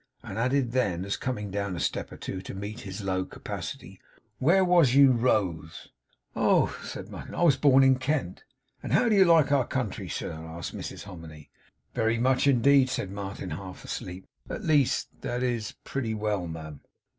and added then, as coming down a step or two to meet his low capacity, 'Where was you rose?' 'Oh!' said Martin 'I was born in Kent.' 'And how do you like our country, sir?' asked Mrs Hominy. 'Very much indeed,' said Martin, half asleep. 'At least that is pretty well, ma'am.